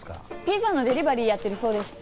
ピザのデリバリーやってるそうです。